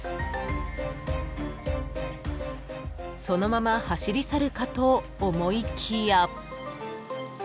［そのまま走り去るかと思いきや］